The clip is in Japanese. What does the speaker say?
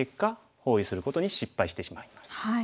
包囲することに失敗してしまいました。